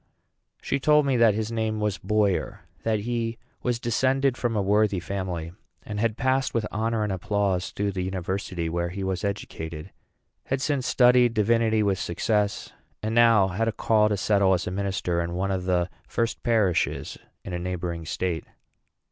She told me that his name was Boyer; that he was descended from a worthy family; had passed with honor and applause through the university where he was educated; had since studied divinity with success; and now had a call to settle as a minister in one of the first parishes in a neighboring state.